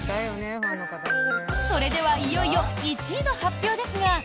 それではいよいよ１位の発表ですが。